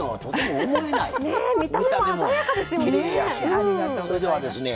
見た目も鮮やかですよね。